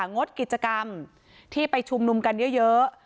งดกิจกรรมที่ไปชุมนุมกันเยอะ